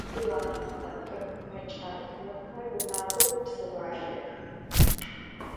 Divan, pxhent'ek'u, meç'ay – mıxer vuneğo pseualhex.